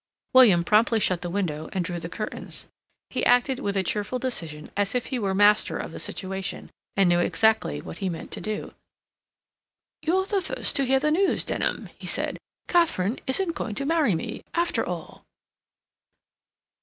William promptly shut the window and drew the curtains. He acted with a cheerful decision as if he were master of the situation, and knew exactly what he meant to do. "You're the first to hear the news, Denham," he said. "Katharine isn't going to marry me, after all."